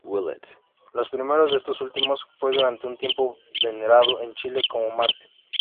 El primero de estos últimos fue durante un tiempo venerado en Chile como mártir.